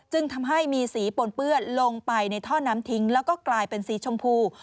จึงทำให้มีสีปนเปื้อนลงไปในท่อน้ำทิ้งแล้วก็กลายเป็นสีชมพู